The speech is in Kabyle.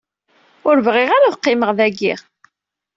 Ur bɣiɣ ara ad qqimeɣ dagi.